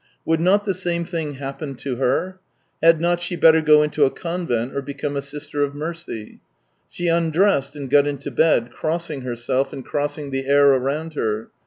Would not the same thing happen to her ? Had not she better go into a convent or become a Sister of Mercy ? She undressed and got into bed, crossing herself and crossing the air around her.